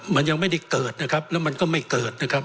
มันยังไม่ได้เกิดและมันก็ไม่เกิด